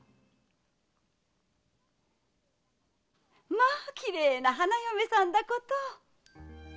まあきれいな花嫁さんだこと！